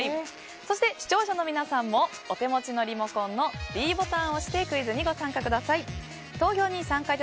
そして、視聴者の皆さんもお手持ちのリモコンのｄボタンを押してクイズにご参加ください。